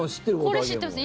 これ、知ってます。